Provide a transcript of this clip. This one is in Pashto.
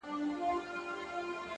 ژور فکر تېروتنې کموي،